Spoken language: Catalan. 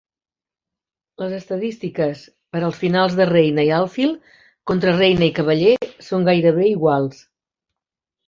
Les estadístiques per als finals de reina i alfil contra reina i cavaller són gairebé iguals.